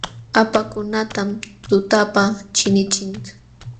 Akapakunatam tutapa chinichinchik.